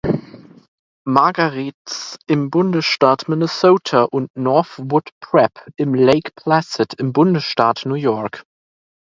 Margaret’s" im Bundesstaat Minnesota und "Northwood Prep" in Lake Placid im Bundesstaat New York.